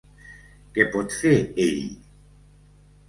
Què pot fer ell?